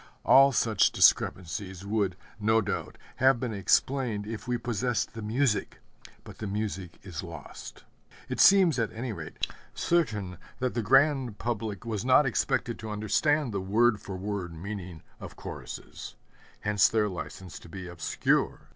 All such discrepancies would, no doubt, have been explained if we possessed the music; but the music is lost. It seems, at any rate, certain that the grand public was not expected to understand the word for word meaning of choruses; hence their license to be obscure.